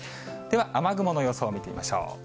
では、雨雲の予想を見てみましょう。